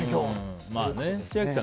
千秋さん